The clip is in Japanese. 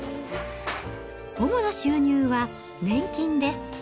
主な収入は年金です。